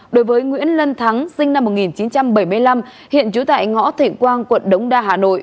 đối với nguyễn lân thắng sinh năm một nghìn chín trăm bảy mươi năm hiện trú tại ngõ thịnh quang quận đống đa hà nội